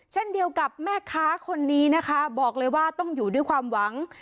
เช่นเดียวกับแม่ค้าคนนี้นะคะบอกเลยว่าต้องอยู่ด้วยความหวัง